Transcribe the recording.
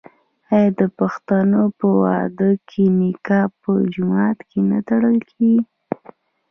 آیا د پښتنو په واده کې نکاح په جومات کې نه تړل کیږي؟